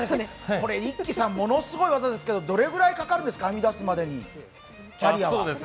Ｉｋｋｉさん、ものすごい技ですけれども、どれぐらいかかるんですか、編み出すまでに、キャリアは。